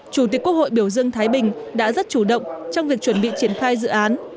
chủ tịch quốc hội biểu dương thái bình đã rất chủ động trong việc chuẩn bị triển khai dự án